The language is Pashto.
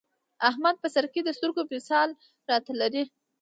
احمد په سرکې د سترګو مثال را ته لري.